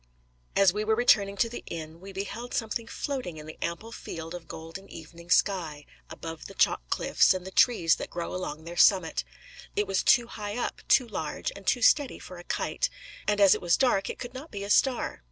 As we were returning to the inn, we beheld something floating in the ample field of golden evening sky, above the chalk cliffs and the trees that grow along their summit. It was too high up, too large, and too steady for a kite; and as it was dark, it could not be a star.